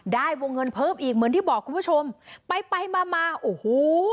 วงเงินเพิ่มอีกเหมือนที่บอกคุณผู้ชมไปไปมามาโอ้โห